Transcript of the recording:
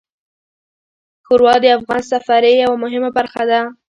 ښوروا د افغان سفرې یوه مهمه برخه ده.